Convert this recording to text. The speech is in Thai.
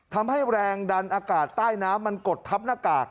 ทำให้แรงดันอากาศใต้น้ำมันกดทับหน้ากาก